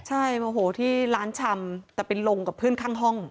ใช่โมโหที่ร้านชำแต่ไปลงกับเพื่อนข้างห้อง